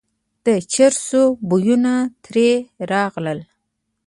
د چرسو بویونه ترې راغلل.